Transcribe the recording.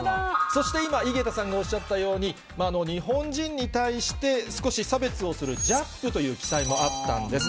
そして今、井桁さんがおっしゃったように、日本人に対して、少し差別をするＪＡＰという記載もあったんです。